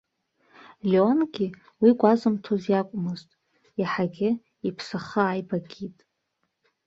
Леонгьы уи гәазымҭоз иакәмызт, еиҳагьы иԥсахы ааибакит.